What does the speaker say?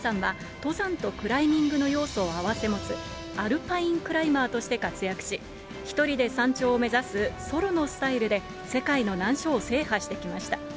山野井さんは登山とクライミングの要素を併せ持つ、アルパインクライマーとして活躍し、１人で山頂を目指すソロのスタイルで、世界の難所を制覇してきました。